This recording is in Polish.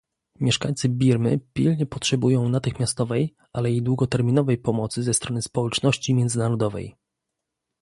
Mieszkańcy Birmy pilnie potrzebują natychmiastowej, ale i długoterminowej pomocy ze strony społeczności międzynarodowej